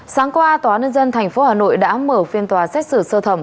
sáng qua tòa nhân dân tp hà nội đã mở phiên tòa xét xử sơ thẩm